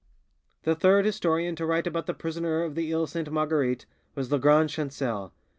The third historian to write about the prisoner of the Iles Sainte Marguerite was Lagrange Chancel.